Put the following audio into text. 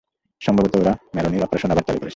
সম্ভবত ওরা ম্যারোনির অপারেশন আবার চালু করেছে।